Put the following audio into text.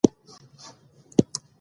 زه په خپلو همصنفیانو ویاړم.